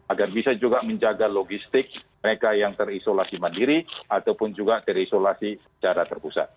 agar bisa juga menjaga logistik mereka yang terisolasi mandiri ataupun juga terisolasi secara terpusat